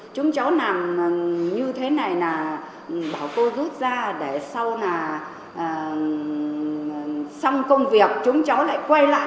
chúng cháu làm như thế này là bảo cô rút ra để sau là xong công việc chúng cháu lại quay lại